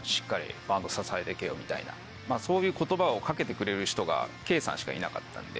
そういう言葉を掛けてくれる人がＫさんしかいなかったんで。